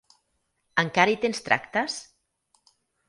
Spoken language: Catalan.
Encara hi tens tractes?